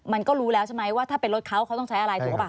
มันก็รู้แล้วใช่ไหมว่าถ้าเป็นรถเขาเขาต้องใช้อะไรถูกหรือเปล่า